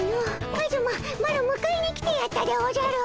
カズママロむかえに来てやったでおじゃる。